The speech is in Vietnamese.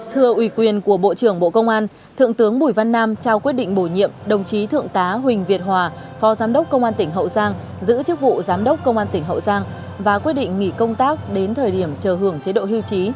thưa ủy quyền của bộ trưởng bộ công an thượng tướng bùi văn nam trao quyết định bổ nhiệm đồng chí thượng tá huỳnh việt hòa phó giám đốc công an tỉnh hậu giang giữ chức vụ giám đốc công an tỉnh hậu giang và quyết định nghỉ công tác đến thời điểm chờ hưởng chế độ hưu trí